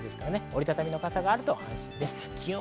折り畳みの傘があると安心です。